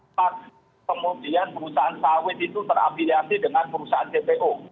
apakah kemudian perusahaan sawit itu terafiliasi dengan perusahaan gpo